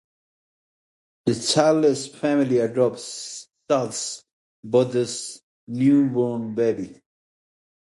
The childless family adopts Said’s brother’s newborn baby.